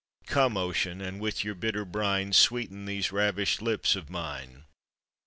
Come, ocean, and with your bitter brine Sweeten these ravished lips of mine!''